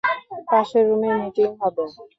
পাশের রুমে মিটিং হবে।